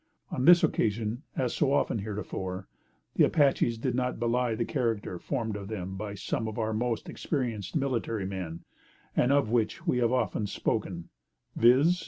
On this occasion, as so often heretofore, the Apaches did not belie the character formed of them by some of our most experienced military men, and of which we have before spoken: viz.